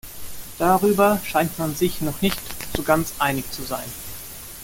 Darüber scheint man sich noch nicht so ganz einig zu sein.